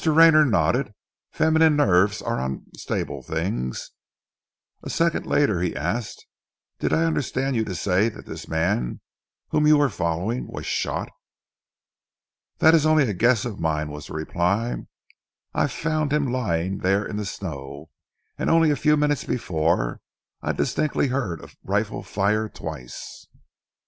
Rayner nodded. "Feminine nerves are unstable things." A second later he asked, "Did I understand you to say that this man whom you were following was shot?" "That is only a guess of mine," was the reply. "I found him lying there in the snow, and only a few minutes before I distinctly heard a rifle fire twice."